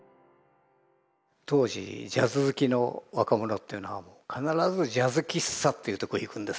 当時ジャズ好きの若者っていうのは必ずジャズ喫茶っていうとこ行くんですよ。